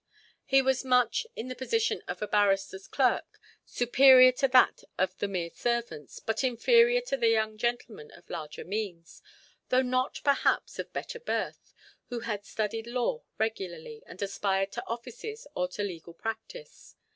He was much, in the position of a barrister's clerk, superior to that of the mere servants, but inferior to the young gentlemen of larger means, though not perhaps of better birth, who had studied law regularly, and aspired to offices or to legal practice.